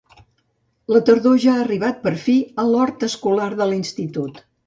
La tardor ja ha arribat per fi a l'hort escolar de l'Institut.